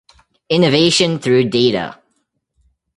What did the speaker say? Innovation through data!